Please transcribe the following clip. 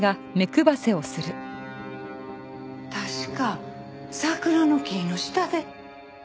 確か桜の木の下で。